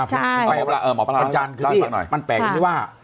ใช่เออหมอปลาปัญจันทร์คือที่มันแปลกอย่างนี้ว่า